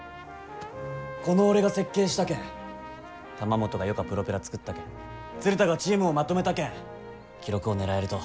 この俺が設計したけん玉本がよかプロペラ作ったけん鶴田がチームをまとめたけん記録を狙えると。